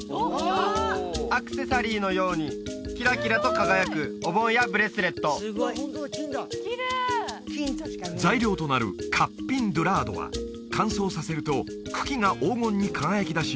アクセサリーのようにキラキラと輝くお盆やブレスレット材料となるカッピン・ドゥラードは乾燥させると茎が黄金に輝きだし